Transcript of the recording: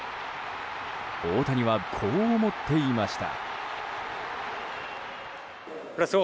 大谷は、こう思っていました。